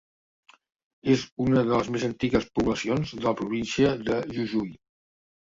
És una de les més antigues poblacions de la Província de Jujuy.